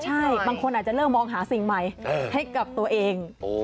ใช่บางคนอาจจะเริ่มมองหาสิ่งใหม่ให้กับตัวเอง